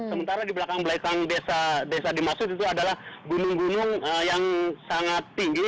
sementara di belakang belakang desa dimaksud itu adalah gunung gunung yang sangat tinggi